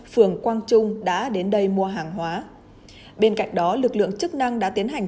phường quang trung đã đến đây mua hàng hóa bên cạnh đó lực lượng chức năng đã tiến hành